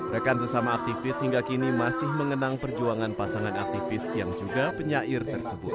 rekan sesama aktivis hingga kini masih mengenang perjuangan pasangan aktivis yang juga penyair tersebut